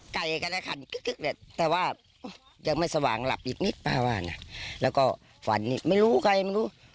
ไก่กันและขันแต่ว่ายังไม่สว่างหลับอีกนิดป่ะว่าแล้วก็ฝันไม่รู้ใคร